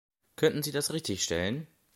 Könnten Sie das richtigstellen?